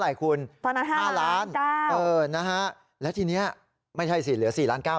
แล้วก็เบิกมาให้พี่มณิกล้านหนึ่งเหลือ๔ล้านกว่า